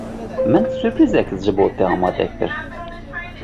Min surprîzek ji bo te amade kir.